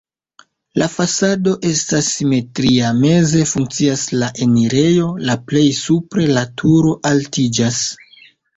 La fasado estas simetria, meze funkcias la enirejo, la plej supre la turo altiĝas.